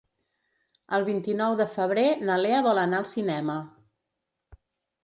El vint-i-nou de febrer na Lea vol anar al cinema.